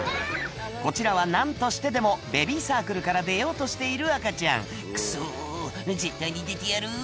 こちらは何としてでもベビーサークルから出ようとしている赤ちゃん「クソ絶対に出てやる」